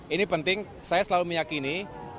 ini penting saya selalu meyakini